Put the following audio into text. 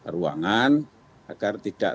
ruangan agar tidak